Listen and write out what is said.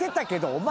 お前。